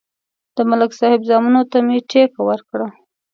د ملک صاحب زامنو ته مې ټېکه ورکړه.